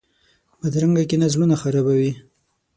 بدرنګه کینه زړونه خرابوي